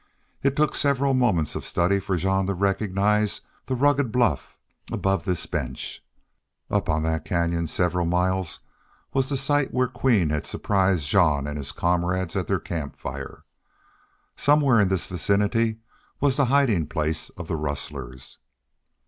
It took several moments of study for Jean to recognize the rugged bluff above this bench. On up that canyon several miles was the site where Queen had surprised Jean and his comrades at their campfire. Somewhere in this vicinity was the hiding place of the rustlers.